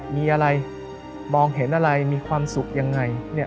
มีอะไรมองเห็นอะไรมีความสุขยังไง